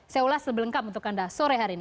saya ulas sebelengkap untuk anda sore hari ini